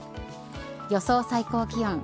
予想最高気温。